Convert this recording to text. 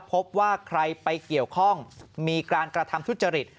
พบว่าใครไปเกี่ยวข้องมีการกระทำทุจริต